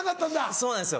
そうなんですよ